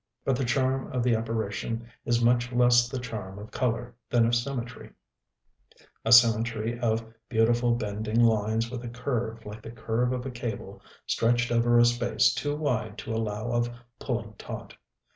But the charm of the apparition is much less the charm of color than of symmetry, a symmetry of beautiful bending lines with a curve like the curve of a cable stretched over a space too wide to allow of pulling taut.